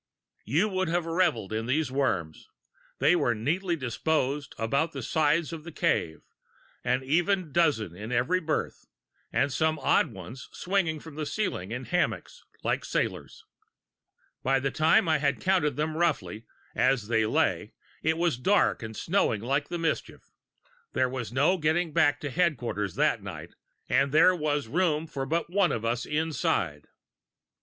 You would have revelled in those worms! They were neatly disposed about the sides of the cave, an even dozen in each berth, and some odd ones swinging from the ceiling in hammocks, like sailors. By the time I had counted them roughly, as they lay, it was dark, and snowing like the mischief. There was no getting back to head quarters that night, and there was room for but one of us inside."